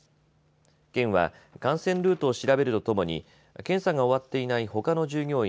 県は感染ルートを調べるとともに検査が終わっていないほかの従業員